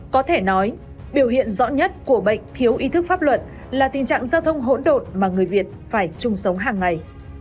có thể nói biểu hiện rõ nhất của bệnh thiếu ý thức pháp luận là tình trạng giao thông hỗn độn mà người việt phải chung sống hàng ngày